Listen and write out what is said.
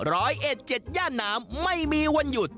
ร้อยเอ็ดเจ็ดย่านน้ำไม่มีวันหยุด